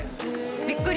びっくり。